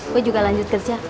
gue juga lanjut kerja